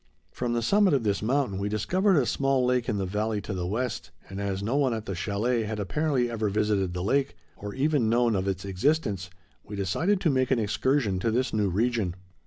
From the summit of this mountain we discovered a small lake in the valley to the west, and, as no one at the chalet had apparently ever visited the lake, or even known of its existence, we decided to make an excursion to this new region.